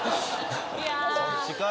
いやーそっちかい